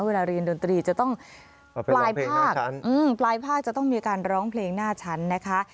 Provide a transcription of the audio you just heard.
เวลาเรียนดนตรีจะต้องปลายภาคปลายภาคจะต้องมีการร้องเพลงหน้าชั้นนะคะ